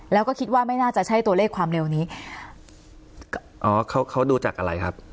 แล้วก็คิดว่าไม่น่าจะใช่ตัวเลขความเร็วนี้อ๋อเขาเขาดูจากอะไรครับ